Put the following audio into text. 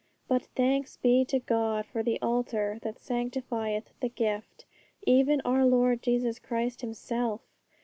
But thanks be to God for the Altar that sanctifieth the gift, even our Lord Jesus Christ Himself!